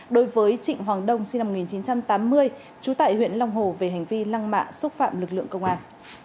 đối với trịnh hoàng đông sinh năm một nghìn chín trăm tám mươi trú tại huyện long hồ về hành vi lăng mạ xúc phạm lực lượng công an